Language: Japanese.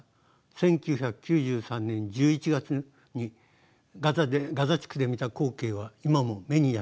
１９９３年１１月にガザ地区で見た光景は今も目に焼き付いています。